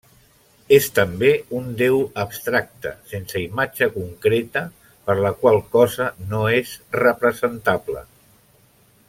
És també un déu abstracte, sense imatge concreta, per la qual cosa no és representable.